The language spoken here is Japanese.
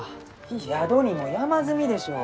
宿にも山積みでしょう？